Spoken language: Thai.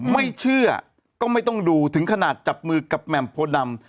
ไม่เชื่อก็ไม่ต้องดูถึงขนาดจับมือกับแหม่มโพดำ